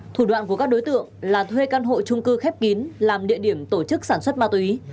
thủ đoạn của các đối tượng là thuê căn hộ trung cư khép kín làm địa điểm tổ chức sản xuất ma túy